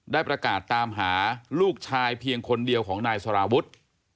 ได้ประกาศตามหาลูกชายเพียงคนเดียวของนายสารวุฒิ